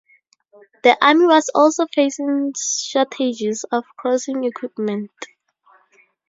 The Army was also facing shortages of crossing equipment.